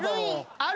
あれ？